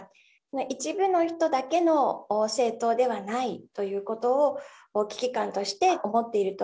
一部の人だけの政党ではないということを、危機感として思っていると。